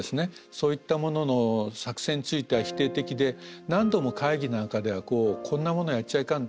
そういったものの作戦については否定的で何度も会議なんかではこんなものやっちゃいかん。